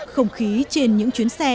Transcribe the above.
không khí trên những chuyến xe